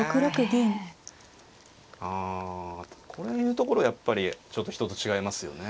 ああこういうところやっぱりちょっと人と違いますよね。